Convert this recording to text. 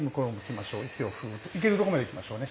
いけるところまでいきましょうね。